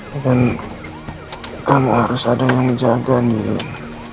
dan kamu harus ada yang jaga ndien